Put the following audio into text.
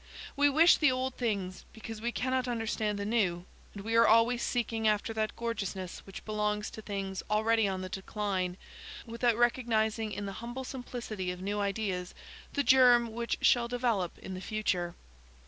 We wish the old things because we cannot understand the new, and we are always seeking after that gorgeousness which belongs to things already on the decline, without recognising in the humble simplicity of new ideas the germ which shall develop in the future.